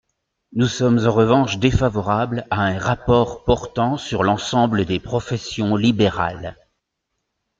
Nous sommes en revanche défavorables à un rapport portant sur l’ensemble des professions libérales.